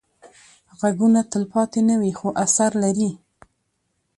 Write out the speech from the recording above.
غږونه تلپاتې نه وي، خو اثر لري